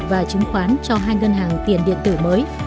và chứng khoán cho hai ngân hàng tiền điện tử mới